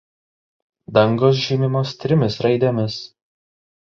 Dangos žymimos trimis raidėmis.